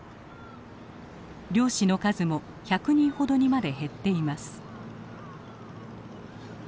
漁師の数も１００人ほどにまで減っています。